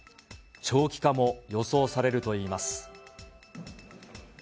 長期化も予想されるといいます。